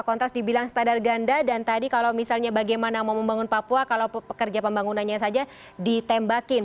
kontras dibilang standar ganda dan tadi kalau misalnya bagaimana mau membangun papua kalau pekerja pembangunannya saja ditembakin